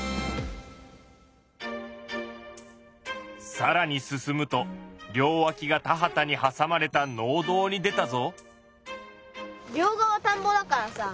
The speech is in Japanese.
さらに進むと両わきが田畑にはさまれた農道に出たぞ。